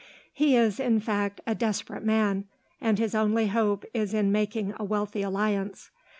"He is, in fact, a desperate man, and his only hope is in making a wealthy alliance.